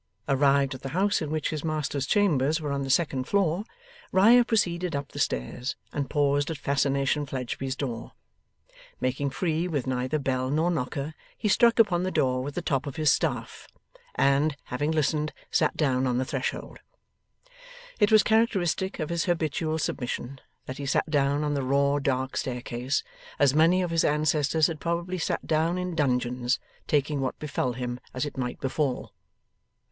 Arrived at the house in which his master's chambers were on the second floor, Riah proceeded up the stairs, and paused at Fascination Fledgeby's door. Making free with neither bell nor knocker, he struck upon the door with the top of his staff, and, having listened, sat down on the threshold. It was characteristic of his habitual submission, that he sat down on the raw dark staircase, as many of his ancestors had probably sat down in dungeons, taking what befell him as it might befall.